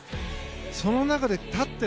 その中で立ってる。